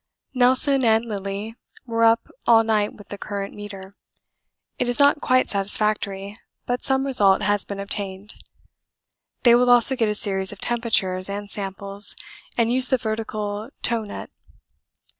Nelson and Lillie were up all night with the current meter; it is not quite satisfactory, but some result has been obtained. They will also get a series of temperatures and samples and use the vertical tow net.